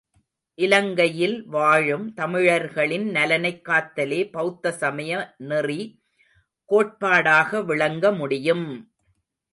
இலங்கையில் வாழும் தமிழர்களின் நலனைக் காத்தலே பெளத்த சமய நெறி கோட்பாடாக விளங்க முடியும்!